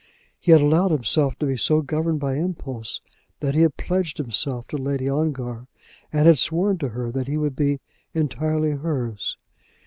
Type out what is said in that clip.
He had allowed himself to be so governed by impulse that he had pledged himself to Lady Ongar, and had sworn to her that he would be entirely hers.